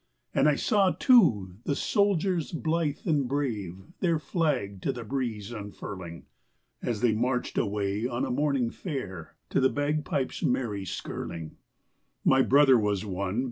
And I saw, too, the soldiers blithe and brave Their flag to the breeze unfurling, As they marched away on a morning fair To the bagpipes' merry skirling. My brother was one.